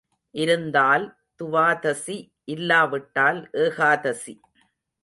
இருந்தால் துவாதசி இல்லா விட்டால் ஏகாதசி.